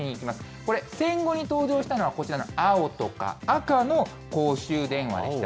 これ戦後に登場したのがこちらの青とか赤の公衆電話。